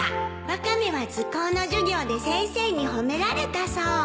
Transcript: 「ワカメは図工の授業で先生に褒められたそう」